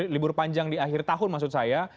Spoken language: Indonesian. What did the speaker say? libur panjang di akhir tahun maksud saya